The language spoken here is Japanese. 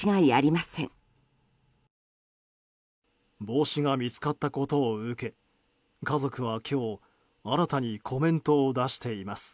帽子が見つかったことを受け家族は今日新たにコメントを出しています。